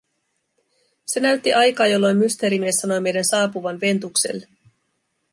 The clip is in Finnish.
Se näytti aikaa, jolloin Mysteerimies sanoi meidän saapuvan Ventukselle.